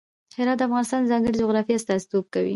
هرات د افغانستان د ځانګړي جغرافیه استازیتوب کوي.